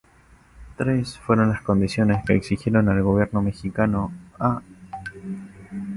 Tres fueron las condiciones que exigieron al gobierno mexicano: a.